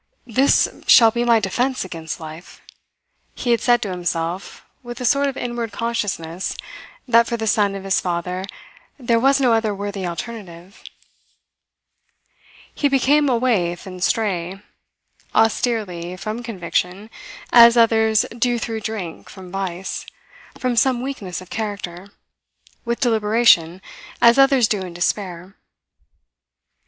"This shall be my defence against life," he had said to himself with a sort of inward consciousness that for the son of his father there was no other worthy alternative. He became a waif and stray, austerely, from conviction, as others do through drink, from vice, from some weakness of character with deliberation, as others do in despair.